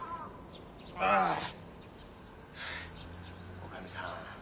おかみさん